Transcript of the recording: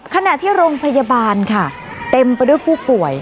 ขณะที่โรงพยาบาลค่ะเต็มไปด้วยผู้ป่วย